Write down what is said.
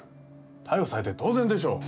逮捕されて当然でしょう。